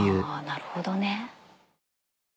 なるほどね。